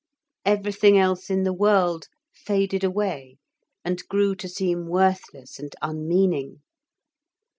Everything else in the world faded away and grew to seem worthless and unmeaning.